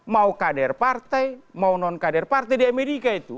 mau kader partai mau non kader partai di amerika itu